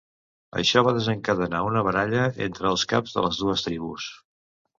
Això va desencadenar una baralla entre els caps de les dues tribus.